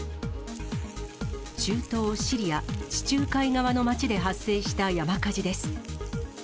中東シリア、地中海側の街で発生した山火事です。